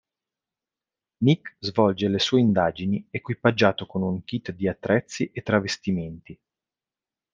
Nick svolge le sue indagini equipaggiato con un kit di attrezzi e travestimenti.